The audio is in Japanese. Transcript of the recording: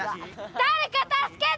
誰か助けて！